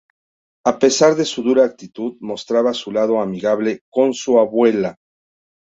A pesar de su dura actitud, mostraba su lado amigable con su abuela.